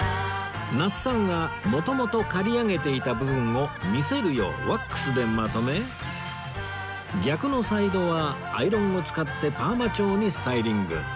那須さんは元々刈り上げていた部分を見せるようワックスでまとめ逆のサイドはアイロンを使ってパーマ調にスタイリング